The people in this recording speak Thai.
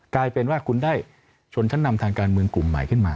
กลายเป็นว่าคุณได้ชนชั้นนำทางการเมืองกลุ่มใหม่ขึ้นมา